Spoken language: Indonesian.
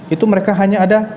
itu mereka hanya ada